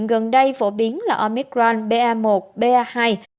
hiện gần đây phổ biến là omicron ba một ba hai